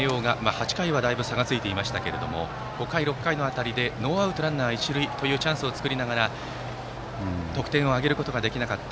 ８回はだいぶ差がついていましたが５回、６回の辺りでノーアウトランナー一塁のチャンスを作りながらも得点を挙げることができなかった。